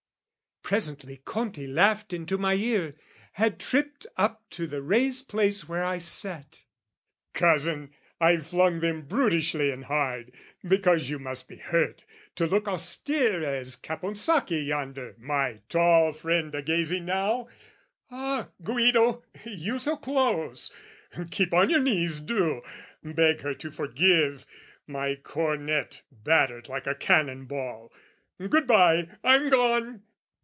Presently Conti laughed into my ear, Had tripped up to the raised place where I sat "Cousin, I flung them brutishly and hard! "Because you must be hurt, to look austere "As Caponsacchi yonder, my tall friend "A gazing now. Ah, Guido, you so close? "Keep on your knees, do! Beg her to forgive! "My cornet battered like a cannon ball. "Good bye, I'm gone!"